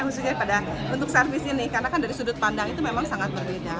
khususnya pada bentuk servis ini karena kan dari sudut pandang itu memang sangat berbeda